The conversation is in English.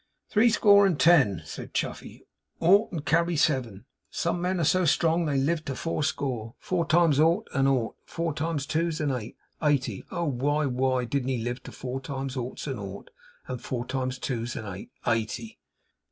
'Three score and ten,' said Chuffey, 'ought and carry seven. Some men are so strong that they live to four score four times ought's an ought, four times two's an eight eighty. Oh! why why why didn't he live to four times ought's an ought, and four times two's an eight, eighty?